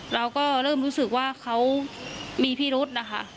เราก็เริ่มรู้สึกว่าเขามีพิรุษนะคะ